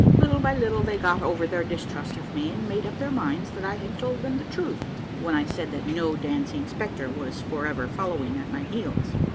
Little by little, they got over their distrust of me, and made up their minds that I had told them the truth when I said that no dancing spectre was forever fol lowing at my heels.